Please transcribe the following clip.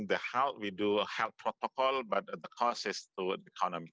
bahwa ada banyak kesempatan yang akan keluar dari pandemi ini